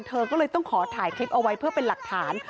เธอก็เลยต้องขอถ่ายคลิปเอาไว้เพื่อเป็นหลักฐาน